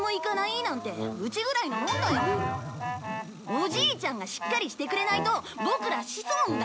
おじいちゃんがしっかりしてくれないとボクら子孫が！